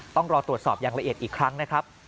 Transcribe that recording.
ต้องรอตรวจสอบอย่างละเอียดอีกครั้งนะครับ